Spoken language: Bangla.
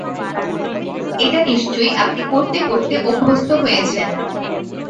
এটা নিশ্চয়ই আপনি করতে করতে অভ্যস্ত হয়েছেন…